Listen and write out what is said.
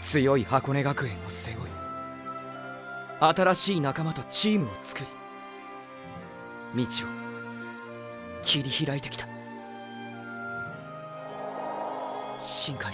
強い箱根学園を背負い新しい仲間とチームを作り道をーー切り拓いてきた新開さ